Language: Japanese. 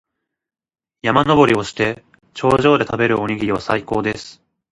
山登りをして、頂上で食べるおにぎりは最高です。